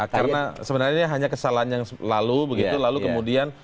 karena sebenarnya ini hanya kesalahan yang lalu begitu lalu kemudian